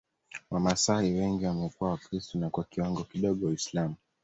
Wamasai wengi wamekuwa Wakristo na kwa kiwango kidogo Waislamu